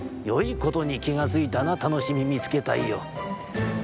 よいことにきがついたなたのしみみつけたいよ。